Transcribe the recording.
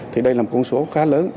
thì đây là một con số khá lớn